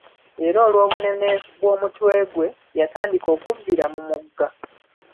Era, olw'obunene bw'omutwe gwe , yatandika okubbira mu mugga.